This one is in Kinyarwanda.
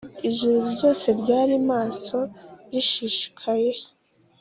ijuru ryose ryari maso rishishikaye